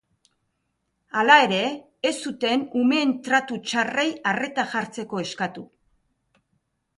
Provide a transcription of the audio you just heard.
Hala ere, ez zuten umeen tratu txarrei arreta jartzeko eskatu.